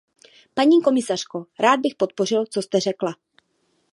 Paní komisařko, rád bych podpořil, co jste řekla.